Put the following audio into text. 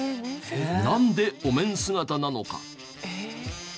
なんでお面姿なのか？